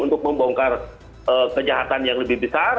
untuk membongkar kejahatan yang lebih besar